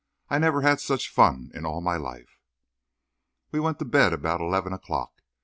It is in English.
I never had such fun in all my life." We went to bed about eleven o'clock.